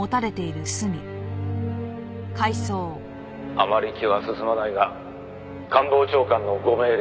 「あまり気は進まないが官房長官のご命令だ」